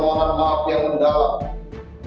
dan permohonan maaf yang mendalam